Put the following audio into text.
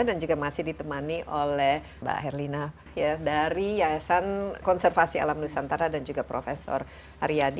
dan juga masih ditemani oleh mbak herlina dari yayasan konservasi alam nusantara dan juga prof hariadi